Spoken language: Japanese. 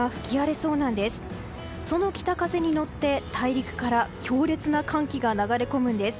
その北風に乗って大陸から強烈な寒気が流れ込むんです。